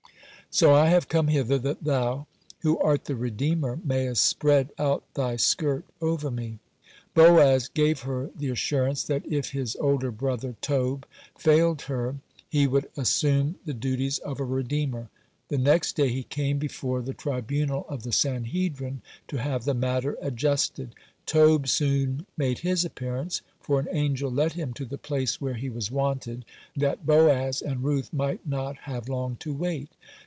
(59) So I have come hither that thou, who art the redeemer, mayest spread out thy skirt over me." (60) Boaz gave her the assurance that if his older brother Tob (61) failed her, he would assume the duties of a redeemer. The next day he came before the tribunal of the Sanhedrin (62) to have the matter adjusted. Tob soon made his appearance, for an angel led him to the place where he was wanted, (63) that Boaz and Ruth might not have long to wait.